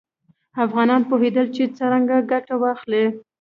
افغانان پوهېدل چې څرنګه ګټه واخلي.